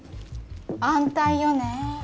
安泰よねえ